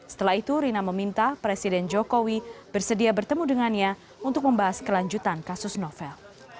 setelah itu rina meminta presiden jokowi bersedia bertemu dengannya untuk membahas kelanjutan kasus novel